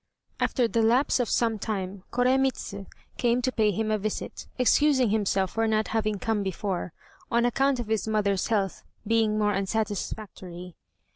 After the lapse of some time Koremitz came to pay him a visit, excusing himself for not having come before, on account of his mother's health being more unsatisfactory.